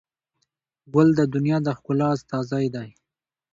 ګل د دنیا د ښکلا استازی دی.